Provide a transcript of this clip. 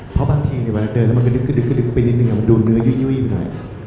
เพราะบางทีเวลาเดินแล้วมันก็ดึกไปนิดนึงดูเนื้อยุ้ยหน่อย